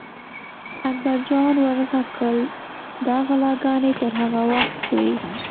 اکبر جان ور غږ کړل: دا غلاګانې تر هغه وخته وي.